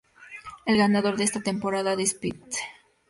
El ganador de esta temporada es Stephen.